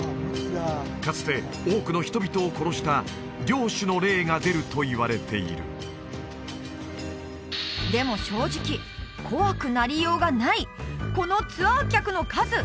かつて多くの人々を殺した領主の霊が出るといわれているでも正直怖くなりようがないこのツアー客の数！